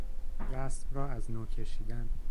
رسم را از نو کشیدن